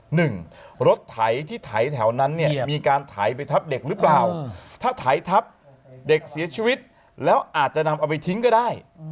หนึ่งรถไถที่ไถแถวนั้นเนี่ยมีการไถไปทับเด็กหรือเปล่าถ้าไถทับเด็กเสียชีวิตแล้วอาจจะนำเอาไปทิ้งก็ได้